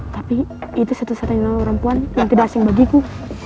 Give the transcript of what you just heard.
tapi itu satu satunya perempuan yang tidak asing bagiku